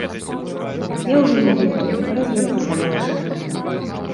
Я ўжо не ведаю, рабі як знаеш.